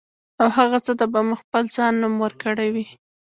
او هغه څه ته به مو خپل ځان نوم ورکړی وي.